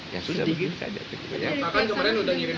ya cukup ya